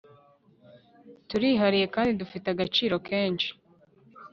turihariye kandi dufite agaciro kenshi